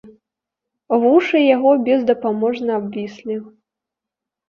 Вушы яго бездапаможна абвіслі.